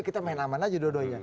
kita main aman aja dua duanya